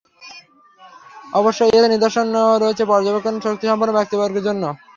অবশ্যই এতে নিদর্শন রয়েছে পর্যবেক্ষণ শক্তিসম্পন্ন ব্যক্তিবর্গের জন্যে।